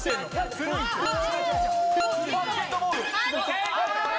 正解！